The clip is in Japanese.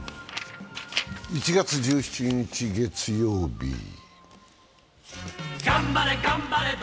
１月１７日月曜日。